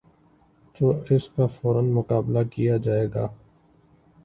تو اس کا فورا مقابلہ کیا جائے گا۔